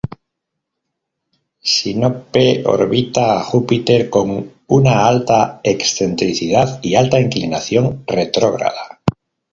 Sinope orbita a Júpiter con una alta excentricidad y alta inclinación retrógrada.